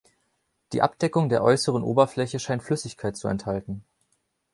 Die Abdeckung der äußeren Oberfläche scheint Flüssigkeit zu enthalten.